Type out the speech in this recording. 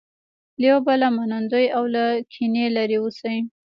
له یو بله منندوی او له کینې لرې اوسي.